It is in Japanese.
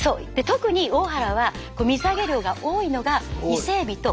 特に大原は水揚げ量が多いのが伊勢エビとタコ。